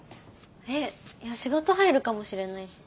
えっいや仕事入るかもしれないし。